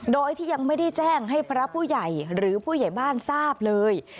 โดยที่ยังไม่ได้แจ้งให้พระผู้ใหญ่หรือผู้ใหญ่บ้านทราบเลย